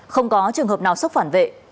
không có trường hợp nào sốc phản vệ